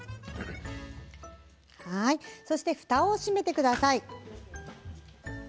ふたを閉めてください。